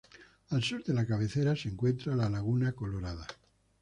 Al sur de la cabecera se encuentra la Laguna Colorada.